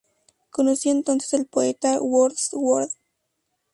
Conoció entonces al poeta Wordsworth.